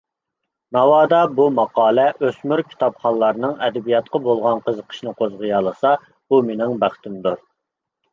ناۋادا بۇ ماقالە ئۆسمۈر كىتابخانلارنىڭ ئەدەبىياتقا بولغان قىزىقىشىنى قوزغىيالىسا، بۇ مېنىڭ بەختىمدۇر.